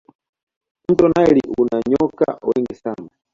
mto naili una nyoka wengi sana